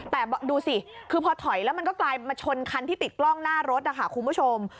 แต่ดูสิคือพอถอยแล้วมันก็กลายมาชนคันที่ติดกล้องหน้ารถนะคะคุณผู้ชม